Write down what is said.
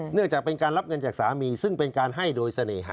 เนื่องจากเป็นการรับเงินจากสามีซึ่งเป็นการให้โดยเสน่หา